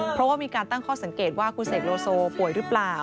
เพราะว่ามีการตั้งข้อสังเกตว่าคุณเสกโลโซป่วยหรือเปล่า